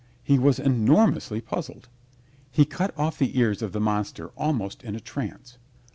He was enormously puzzled. He cut off the ears of the monster almost in a trance.